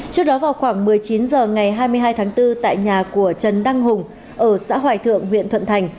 trước đó vào khoảng một mươi chín h ngày hai mươi hai tháng bốn tại nhà của trần đăng hùng ở xã hoài thượng huyện thuận thành